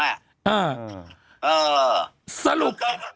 เออสรุป